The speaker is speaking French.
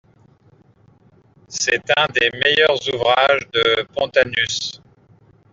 C’est un des meilleurs ouvrages de Pontanus.